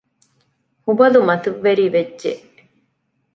ހުބަލު މަތިވެރިވެއްޖެ